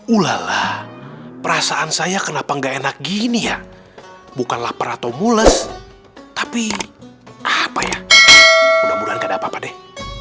ulalah perasaan saya kenapa nggak enak gini ya bukan lapar atau mules tapi apa ya mudah mudahan gak ada apa apa deh